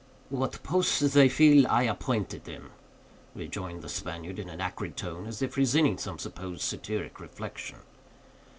"What posts they fill, I appointed them," rejoined the Spaniard, in an acrid tone, as if resenting some supposed satiric reflection.